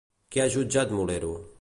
Què ha jutjat Molero?